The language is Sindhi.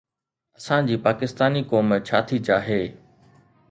اسان جي پاڪستاني قوم ڇا ٿي چاهي؟